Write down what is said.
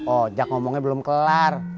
oh jak ngomongnya belum kelar